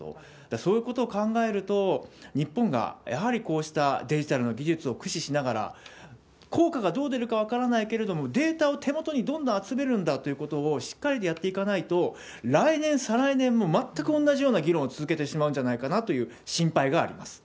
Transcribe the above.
そういうことを考えると、日本がやはりこうしたデジタルの技術を駆使しながら、効果がどう出るか分からないけれども、データを手元にどんどん集めるんだということをしっかりやっていかないと、来年、再来年も全く同じような議論を続けてしまうんじゃないかなという心配があります。